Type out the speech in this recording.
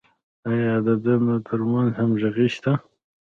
آیا د دندو تر منځ همغږي شته؟